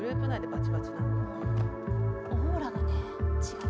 オーラがね違う。